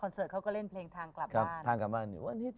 คอนเสิร์ตเขาก็เล่นเพลงทางกลับบ้าน